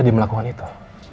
dia melakukan itu